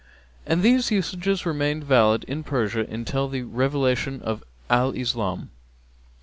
And these usages remained valid in Persia until the revelation of Al Islam.